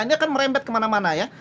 ini akan merembet kemana mana ya